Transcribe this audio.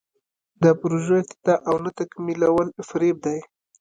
د پروژو افتتاح او نه تکمیلول فریب دی.